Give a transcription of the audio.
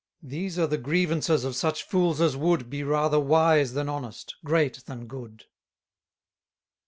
These are the grievances of such fools as would Be rather wise than honest, great than good.